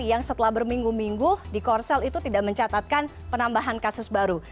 yang setelah berminggu minggu di korsel itu tidak mencatatkan penambahan kasus baru